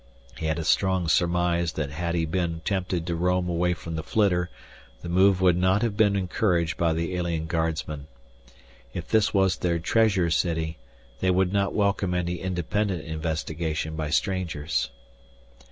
He had a strong surmise that had he been tempted to roam away from the flitter the move would not have been encouraged by the alien guardsmen. If this was their treasure city, they would not welcome any independent investigation by strangers.